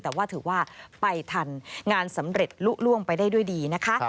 แต่ว่าถือว่าไปทันงานสำเร็จลุล่วงไปได้ด้วยดีนะคะ